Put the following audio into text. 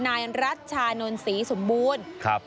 นายรัชชานนศรีสมบูรณ์